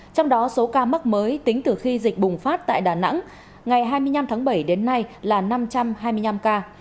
trong đó số ca mắc mới tính từ khi dịch bùng phát tại đà nẵng ngày hai mươi năm tháng bảy đến nay là năm trăm hai mươi năm ca